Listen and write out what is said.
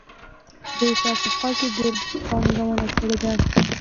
دوی په افریقا کې ډېره پانګونه کړې ده.